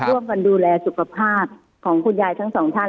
ร่วมกันดูแลสุขภาพของคุณยายทั้งสองท่าน